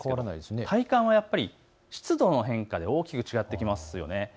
体感はやっぱり湿度の変化で大きく違ってきます。